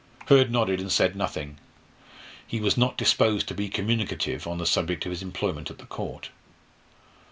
Hurd nodded, and said nothing. He was not disposed to be communicative on the subject of his employment at the Court.